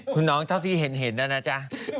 คุณน้องเท่าที่เห็นนะนะจ๊ะ